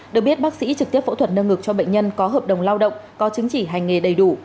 được biết bác sĩ trực tiếp phẫu thuật nâng ngực cho bệnh nhân có hợp đồng lao động có chứng chỉ hành nghề đầy đủ